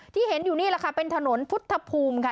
ที่เห็นอยู่นี่แหละค่ะเป็นถนนพุทธภูมิค่ะ